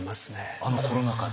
あのコロナ禍で？